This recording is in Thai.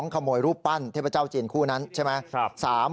ขโมยรูปปั้นเทพเจ้าจีนคู่นั้นใช่ไหม